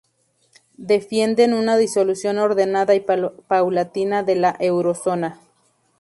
Defienden una disolución ordenada y paulatina de la Eurozona.